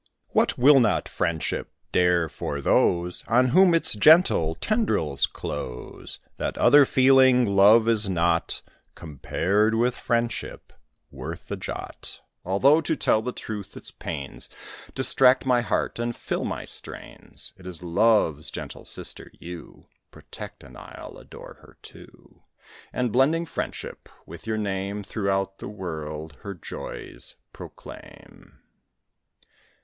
What will not friendship dare for those On whom its gentle tendrils close? That other feeling, love, is not, Compared with friendship, worth a jot; Although, to tell the truth, its pains Distract my heart, and fill my strains. It is Love's gentle sister you Protect, and I'll adore her, too; And, blending Friendship with your name, Throughout the world her joys proclaim.